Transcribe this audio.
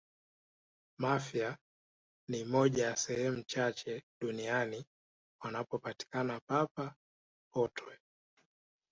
mafia ni moja ya sehemu chache duniani wanapopatikana papa potwe